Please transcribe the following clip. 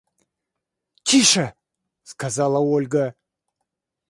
– Тише! – сказала Ольга.